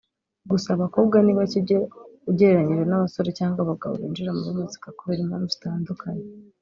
Gusa abakobwa ni bake ugeraranyije n’abasore cyangwa abagabo binjira muri muzika kubera impamvu zitandukanye